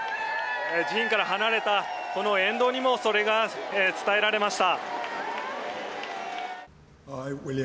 寺院から離れたこの沿道にもそれが伝えられました。